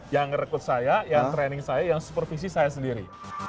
yang merekrut saya yang training saya yang supervisi saya sendiri